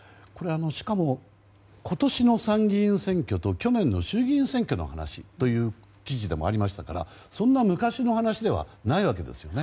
しかも今年の参議院選挙と去年の衆議院選挙の記事でもありましたからそんな昔の話ではないわけです。